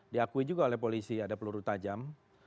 diakui juga oleh polisi ada peluru tajam